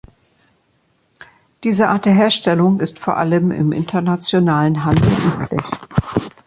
Diese Art der Herstellung ist vor allem im internationalen Handel üblich.